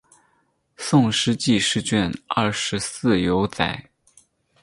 宋诗纪事卷二十四有载。